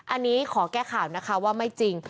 อันนี้ขอแก้ข่าวนะคะว่าไม่จริง